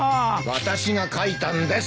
私が描いたんです。